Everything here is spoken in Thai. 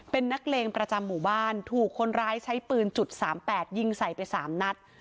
เป็นนักเลงประจำหมู่บ้านถูกคนร้ายใช้ปืนจุด๓๘ยิงใส่ไป๓นัด